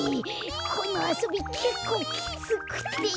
このあそびけっこうきつくて。